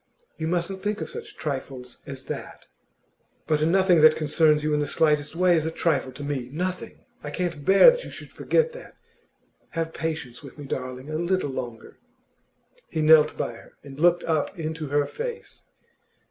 'You mustn't think of such trifles as that.' 'But nothing that concerns you in the slightest way is a trifle to me nothing! I can't bear that you should forget that. Have patience with me, darling, a little longer.' He knelt by her, and looked up into her face.